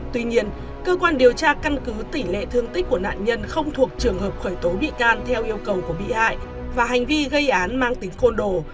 tuy nhiên cơ quan điều tra căn cứ tỷ lệ thương tích của nạn nhân không thuộc trường hợp khởi tố bị can theo yêu cầu của bị hại và hành vi gây án mang tính côn đồ